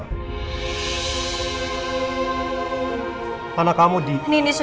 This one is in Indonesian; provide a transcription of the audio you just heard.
hai anak kita